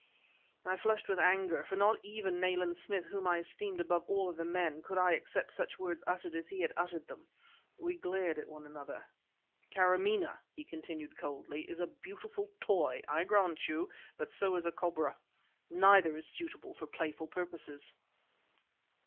I flushed with anger, for not even from Nayland Smith, whom I esteemed above all other men, could I accept such words uttered as he had uttered them. We glared at one another. "Karamaneh," he continued coldly, "is a beautiful toy, I grant you; but so is a cobra. Neither is suitable for playful purposes."